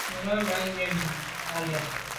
Me lo yen nyu à lem.